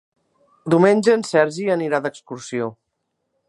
Diumenge en Sergi anirà d'excursió.